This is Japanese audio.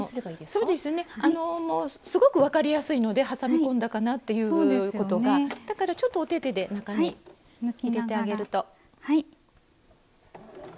そうですねすごく分かりやすいので挟み込んだかなということがだからちょっとおててで中に入れてあげると。